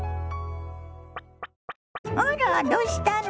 あらどうしたの？